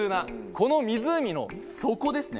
この湖の底ですね。